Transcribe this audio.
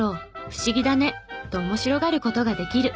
不思議だね」と面白がる事ができる。